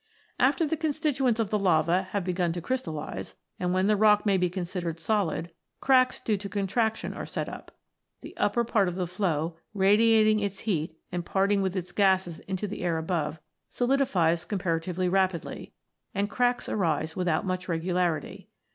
After the constituents of the lava have begun to crystallise, and when the rock may be considered solid, cracks due to contraction are set up. The upper part of the flow, radiating its heat and parting with its gases into the air above, solidifies com paratively rapidly, and cracks arise without much regularity.